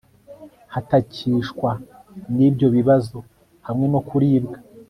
batakishwa nibyo bibazo hamwe no kuribwa